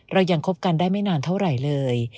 เรายังคบกันได้ไม่นานเท่าไหร่เลย